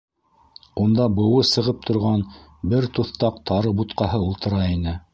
Унда быуы сығып торған бер туҫтаҡ тары бутҡаһы ултыра ине.